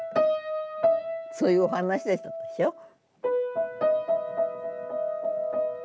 そういうお話でしたでしょ。